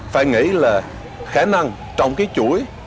phải nghĩ là khả năng trong cái chuỗi